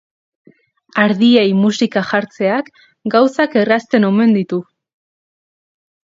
Ardiei musika jartzeak gauzak errazten omen ditu.